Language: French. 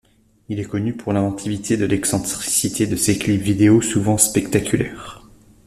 Il est connu pour l'inventivité et l'excentricité de ses clips vidéo, souvent spectaculaires.